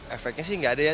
efeknya sih enggak ada ya